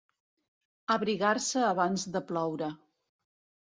Abrigar-se abans de ploure.